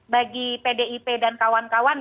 bagi pdip dan kawan kawan